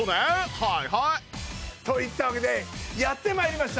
はいはいといったわけでやって参りました！